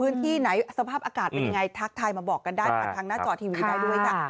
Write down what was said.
พื้นที่ไหนสภาพอากาศเป็นยังไงทักทายมาบอกกันได้ผ่านทางหน้าจอทีวีได้ด้วยค่ะ